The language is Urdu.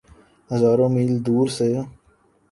ہزاروں میل دور سے۔